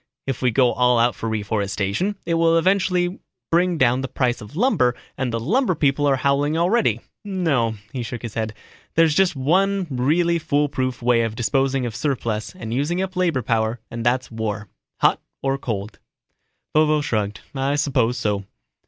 If we go all out for reforestation, it will eventually bring down the price of lumber and the lumber people are howling already. No," he shook his head, "there's just one really foolproof way of disposing of surpluses and using up labor power and that's war hot or cold." Vovo shrugged, "I suppose so."